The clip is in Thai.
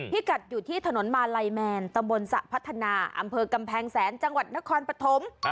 กัดอยู่ที่ถนนมาลัยแมนตำบลสระพัฒนาอำเภอกำแพงแสนจังหวัดนครปฐม